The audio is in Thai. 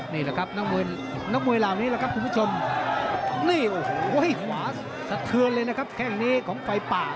นี่นักมวยเหล่านี้แล้วครับคุณผู้ชมนี่โอ้โหใส่ถือดเลยนะครับแค่งนี้ของไป๕ภายักษณ์